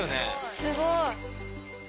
すごい！